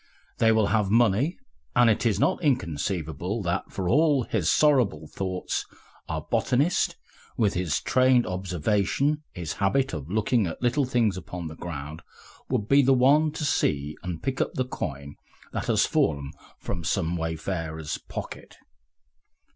They will have money, and it is not inconceivable that, for all his sorrowful thoughts, our botanist, with his trained observation, his habit of looking at little things upon the ground, would be the one to see and pick up the coin that has fallen from some wayfarer's pocket.